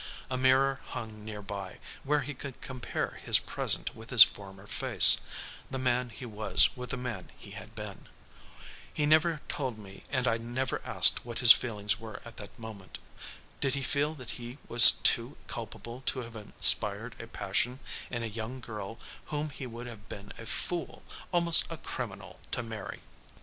A mirror hung near by, where he could compare his present with his former face, the man he was with the man he had been. He never told me and I never asked what his feelings were at that moment. Did he feel that he was too culpable to have inspired a passion in a young girl whom he would have been a fool, almost a criminal, to marry?